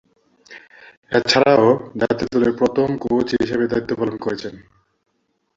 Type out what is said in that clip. এছাড়াও, জাতীয় দলের প্রথম কোচ হিসেবে দায়িত্ব পালন করেছেন।